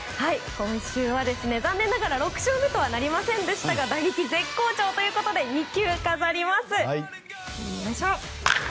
今週は残念ながら６勝目とはなりませんでしたが打撃絶好調ということで２球飾ります。